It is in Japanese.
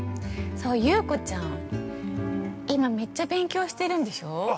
◆優子ちゃん、今、めっちゃ勉強してるんでしょ？